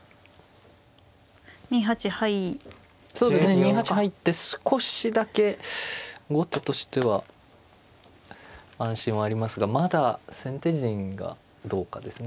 ２八入って少しだけ後手としては安心はありますがまだ先手陣がどうかですね。